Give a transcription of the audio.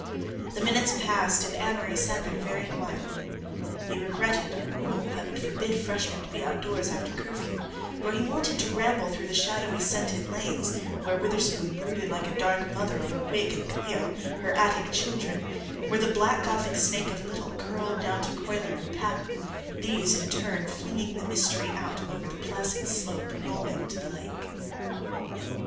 The minutes passed and Amory sat there very quietly. He regretted the rule that would forbid freshmen to be outdoors after curfew, for he wanted to ramble through the shadowy scented lanes, where Witherspoon brooded like a dark mother over Whig and Clio, her Attic children, where the black Gothic snake of Little curled down to Cuyler and Patton, these in turn flinging the mystery out over the placid slope rolling to the lake.